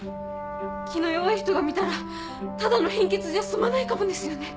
気の弱い人が見たらただの貧血じゃ済まないかもですよね？